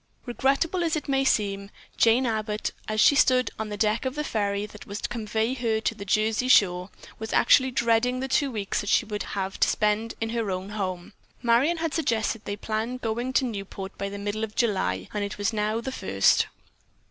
Regrettable as it may seem, Jane Abbott, as she stood on the deck of the ferry that was to convey her to the Jersey shore, was actually dreading the two weeks that she would have to spend in her own home. Marion had suggested that they plan going to Newport by the middle of July and it was now the first.